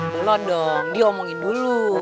belom dong diomongin dulu